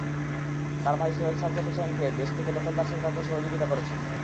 তাঁর ভাই সৈয়দ সাজ্জাদ হোসায়েন দেশে থেকে দখলদার সরকারকে সহযোগিতা করেছেন।